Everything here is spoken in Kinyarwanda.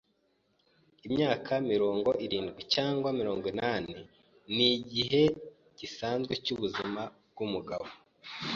Imyaka mirongo irindwi cyangwa mirongo inani nigihe gisanzwe cyubuzima bwumugabo.